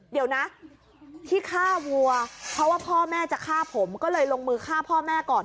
เดี๋ยวนะที่ฆ่าวัวเพราะว่าพ่อแม่จะฆ่าผมก็เลยลงมือฆ่าพ่อแม่ก่อน